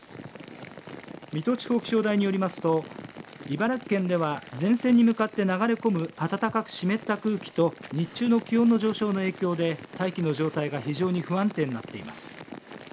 水戸地方気象台によりますと茨城県では前線に向かって流れ込む暖かく湿った空気と日中の気温の上昇で大気の状態が非常に不安定になっています。